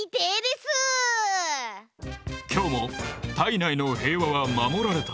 今日も体内の平和は守られた。